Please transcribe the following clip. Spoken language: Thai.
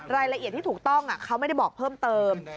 รายละเอียดที่ถูกต้องเขาไม่ได้บอกเพิ่มเติม